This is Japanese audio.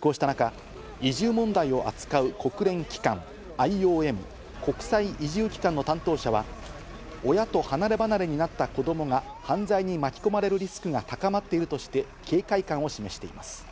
こうした中、移住問題を扱う国連機関、ＩＯＭ＝国際移住機関の担当者は親と離れ離れになった子供が犯罪に巻き込まれるリスクが高まっているとして、警戒感を示しています。